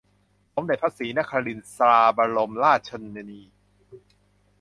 สมเด็จพระศรีนครินทราบรมราชชนนี